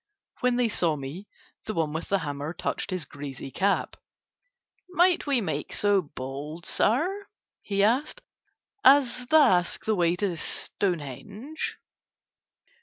When they saw me the one with the hammer touched his greasy cap. "Might we make so bold, sir," he said, "as the ask the way to Stonehenge?"